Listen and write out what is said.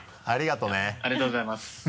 ありがとうございます。